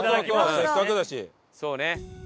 そうね。